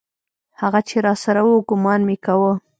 هغه چې راسره و ګومان مې کاوه.